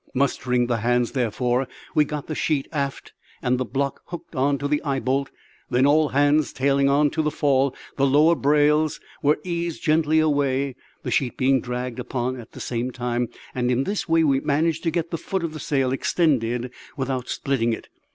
Mustering the hands, therefore, we got the sheet aft and the block hooked on to the eye bolt; then, all hands tailing on to the fall, the lower brails were eased gently away, the sheet being dragged upon at the same time; and in this way we managed to get the foot of the sail extended without splitting it.